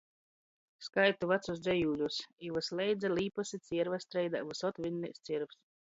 Skaitu vacus dzejūļus, i vysleidza - līpys i cierva streidā vysod vinnēs ciervs.